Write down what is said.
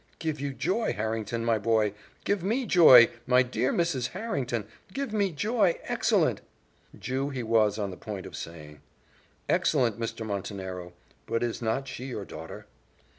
give you joy, Harrington, my boy! give me joy, my dear Mrs. Harrington give me joy, excellent (Jew, he was on the point of saying) excellent Mr. Montenero; but, is not she your daughter?"